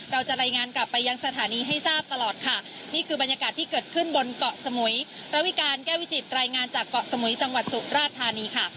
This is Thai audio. เราจะรายงานกลับไปยังสถานีให้ทราบตลอดค่ะนี่คือบรรยากาศที่เกิดขึ้นบนเกาะสมุยระวิการแก้วิจิตรายงานจากเกาะสมุยจังหวัดสุราชธานีค่ะ